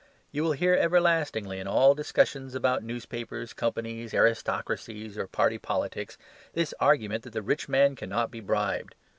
You will hear everlastingly, in all discussions about newspapers, companies, aristocracies, or party politics, this argument that the rich man cannot be bribed.